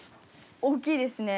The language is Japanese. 大きいですね。